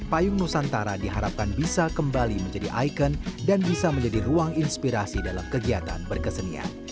payung nusantara diharapkan bisa kembali menjadi ikon dan bisa menjadi ruang inspirasi dalam kegiatan berkesenian